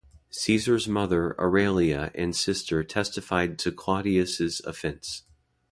Caesar's mother Aurelia and sister testified to Clodius' offense.